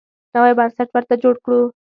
نوی بنسټ ورته جوړ کړو.